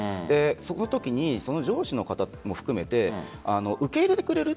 そのときに上司の方も含めて受け入れてくれる。